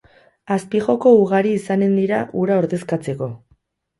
Azpijoko ugari izanen dira hura ordezkatzeko.